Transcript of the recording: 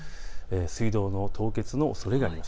水道の凍結のおそれがあります。